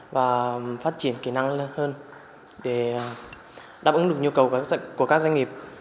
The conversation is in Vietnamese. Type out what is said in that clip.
và phát triển kỹ năng lên hơn để đáp ứng được nhu cầu của các doanh nghiệp